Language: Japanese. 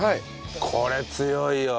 これ強いよ。